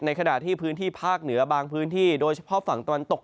ขณะที่พื้นที่ภาคเหนือบางพื้นที่โดยเฉพาะฝั่งตะวันตก